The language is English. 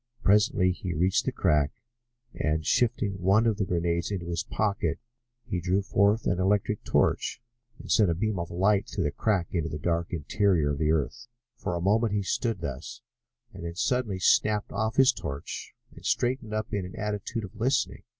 Presently he reached the crack and, shifting one of the grenades into his pocket, he drew forth an electric torch and sent a beam of light through the crack into the dark interior of the earth. For a moment he stood thus, and then suddenly snapped off his torch and straightened up in an attitude of listening.